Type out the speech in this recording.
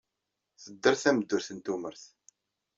Tedder tameddurt n tumert.